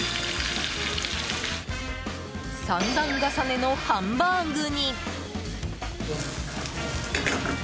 ３段重ねのハンバーグに。